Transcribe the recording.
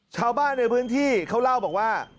ชาวบ้านในพื้นที่เขาเล่าบอกว่า